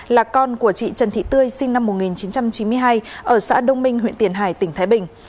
là con của chị trần thị tươi sinh năm một nghìn chín trăm chín mươi hai ở xã đông minh huyện tiền hải tỉnh thái bình